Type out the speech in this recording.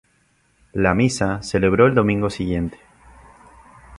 La misa se celebró el domingo siguiente.